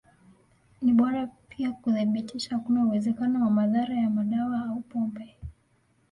Ni bora pia kuthibitisha hakuna uwezekano wa madhara ya madawa au pombe.